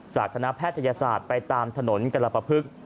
คณะแพทยศาสตร์ไปตามถนนกรปภึก